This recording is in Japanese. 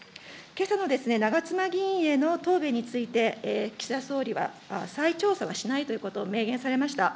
けさの長妻議員への答弁について、岸田総理は、再調査はしないということを明言されました。